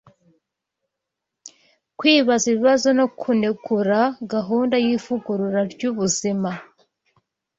kwibaza ibibazo no kunegura gahunda y’ivugurura ry’ubuzima,